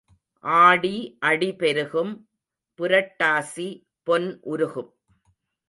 ஆடி அடி பெருகும் புரட்டாசி பொன் உருகும்.